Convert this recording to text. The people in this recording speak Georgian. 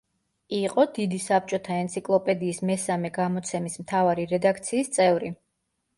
იყო დიდი საბჭოთა ენციკლოპედიის მესამე გამოცემის მთავარი რედაქციის წევრი.